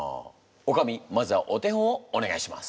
おかみまずはお手本をお願いします。